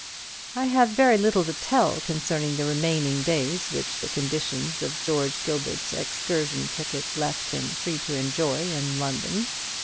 I have very little to tell concerning the remaining days which the conditions of George Gilbert's excursion ticket left him free to enjoy in London.